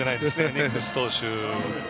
ニックス投手。